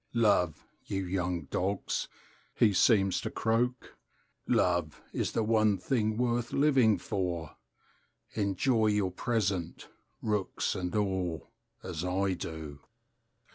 "Love, you young dogs," he seems to croak, "Love is the one thing worth living for! Enjoy your present, rooks and all, as I do!"